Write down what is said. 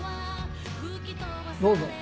どうぞ。